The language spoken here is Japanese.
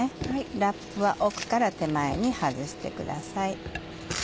ラップは奥から手前に外してください。